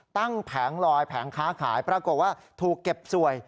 แผงลอยแผงค้าขายปรากฏว่าถูกเก็บสวย